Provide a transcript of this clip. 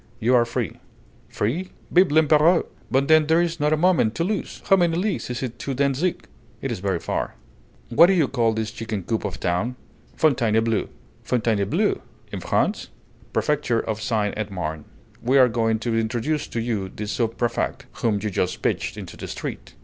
"You are free." "Free! Vive l'Empéreur! But then there's not a moment to lose! How many leagues is it to Dantzic?" "It's very far." "What do you call this chicken coop of a town?" "Fontainebleau." "Fontainebleau! In France?" "Prefecture of Seine et Marne. We are going to introduce to you the sub préfect, whom you just pitched into the street."